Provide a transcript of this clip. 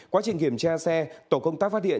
quá trình kiểm tra xe tổ công tác phát hiện